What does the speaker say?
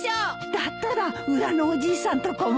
だったら裏のおじいさんとこも。